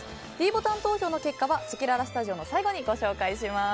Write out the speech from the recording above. ｄボタン投票の結果はせきららスタジオの最後にご紹介いたします。